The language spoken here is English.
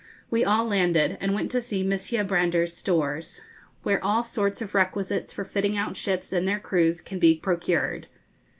we all landed, and went to see Messrs. Brander's stores, where all sorts of requisites for fitting out ships and their crews can be procured.